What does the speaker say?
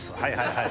はい！